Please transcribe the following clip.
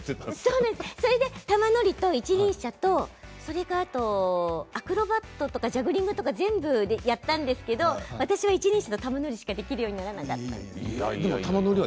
玉乗りと一輪車とアクロバットとかジャグリングとか全部やったんですけど私は一輪車と玉乗りしかできるようにならなかったんです。